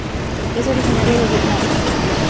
Es originaria de Vietnam.